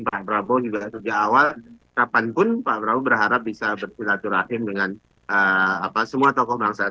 pak prabowo juga sejak awal kapanpun pak prabowo berharap bisa bersilaturahim dengan semua tokoh bangsa